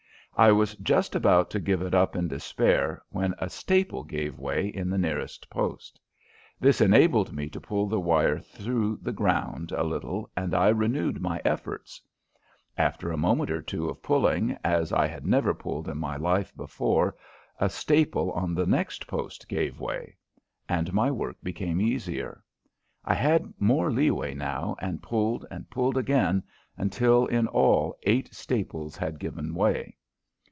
I was just about to give it up in despair when a staple gave way in the nearest post. This enabled me to pull the wire through the ground a little, and I renewed my efforts. After a moment or two of pulling as I had never pulled in my life before a staple on the next post gave way, and my work became easier. I had more leeway now and pulled and pulled again until in all eight staples had given way.